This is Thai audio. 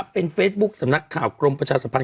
เป็นเฟซบุ๊คสำนักข่าวกรมประชาสัมพันธ